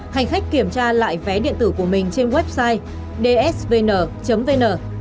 hành khách kiểm tra lại vé điện tử của mình trên website dsvn vn